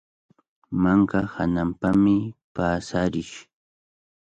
Manka hananpami paasarish.